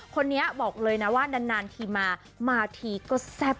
คนนี้บอกเลยนะว่านานทีมามาทีก็แซ่บ